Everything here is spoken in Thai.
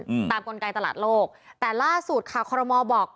อืมตามกลไกตลาดโลกแต่ล่าสุดค่ะคอรมอลบอก